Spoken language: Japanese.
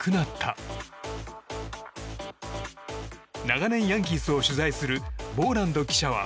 長年ヤンキースを取材するボーランド記者は。